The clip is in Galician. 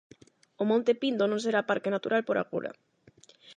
O Monte Pindo non será parque natural por agora.